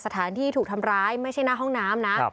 สถานที่ถูกทำร้ายไม่ใช่หน้าห้องน้ำนะ